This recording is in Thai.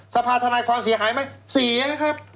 สภาธนายความเสียหายไหมเสียครับ